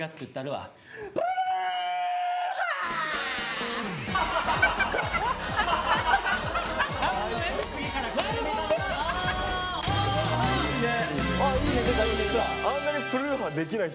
はい！